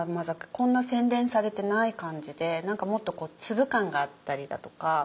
こんな洗練されてない感じでもっと粒感があったりだとか。